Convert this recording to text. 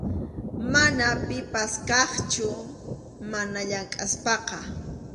Mana pipas kaqchu mana llamk’aspaqa.